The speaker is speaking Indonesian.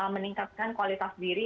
meningkatkan kualitas diri